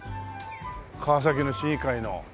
川崎の市議会の。